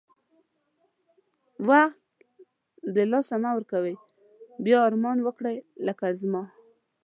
وخت د لاسه مه ورکوی بیا ارمان وکړی لکه زما